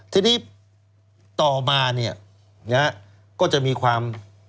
ทีนี้ต่อมาก็จะมีความ